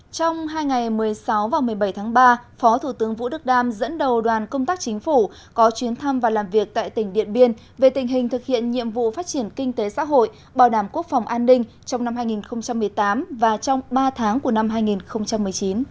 trong hai ngày một mươi sáu và một mươi bảy tháng ba phó thủ tướng vũ đức đam dẫn đầu đoàn công tác chính phủ có chuyến thăm và làm việc tại tỉnh điện biên về tình hình thực hiện nhiệm vụ phát triển kinh tế xã hội bảo đảm quốc phòng an ninh trong năm hai nghìn một mươi tám và trong ba tháng của năm hai nghìn một mươi chín